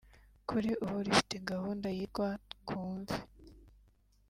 Kuri ubu rifite gahunda yitwa “Twumve